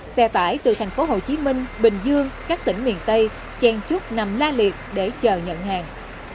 xe bãi từ thành phố hồ chí minh bình dương các tỉnh miền tây trang trúc nằm la liệt để chờ nhận hàng